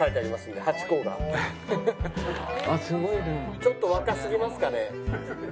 ちょっと若すぎますかね？